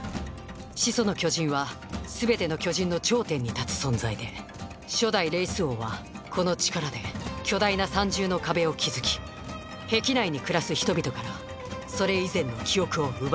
「始祖の巨人」はすべての巨人の頂点に立つ存在で初代レイス王はこの力で巨大な三重の壁を築き壁内に暮らす人々からそれ以前の記憶を奪いました。